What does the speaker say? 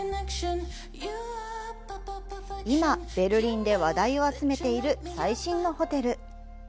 今、ベルリンで話題を集めている最新のホテル。